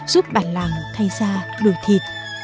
giúp bản làng thay ra lùi thịt